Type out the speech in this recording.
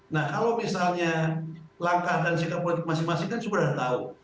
nah kalau misalnya langkah dan sikap politik masing masing kan sudah tahu